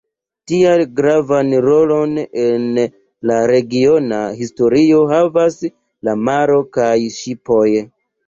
Tial gravan rolon en la regiona historio havas la maro kaj ŝipoj.